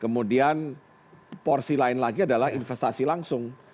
kemudian porsi lain lagi adalah investasi langsung